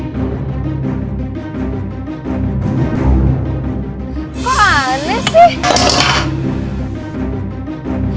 kok aneh sih